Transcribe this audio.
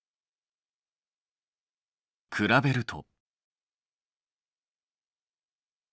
比べると。